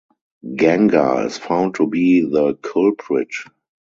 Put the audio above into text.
Ganga is found to be the culprit.